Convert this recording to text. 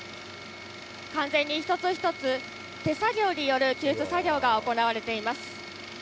完全に一つ一つ、手作業による救出作業が行われています。